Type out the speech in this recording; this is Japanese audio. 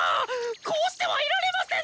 こうしてはいられませんぞ！